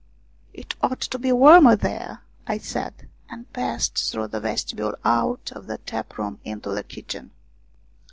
" It ought to be warmer there," I said, and passed through the vestibule, out of the tap room into the kitchen.